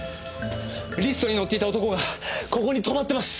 リストに載っていた男がここに泊まってます。